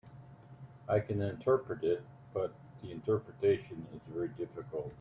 I can interpret it, but the interpretation is very difficult.